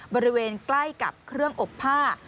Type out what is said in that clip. บริเวณใกล้กับเครื่องอบผ้า